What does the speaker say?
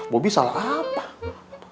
bobby salah apa